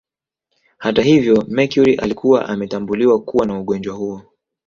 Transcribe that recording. Hata hivyo Mercury alikuwa ametambuliwa kuwa na ugonjwa huo